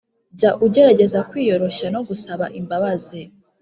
jya ugerageza kwiyoroshya no gusaba imbabazi